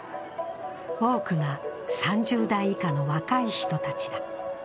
多くが３０代以下の若い人たちだ。